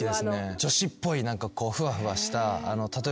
女子っぽいふわふわした例えば。